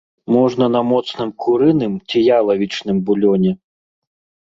Можна на моцным курыным ці ялавічным булёне.